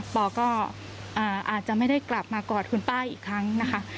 ปอก็อาจจะไม่ได้กลับมากอดคุณป้าอีกครั้งนะคะ